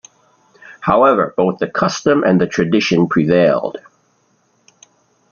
However, both the custom and tradition prevailed.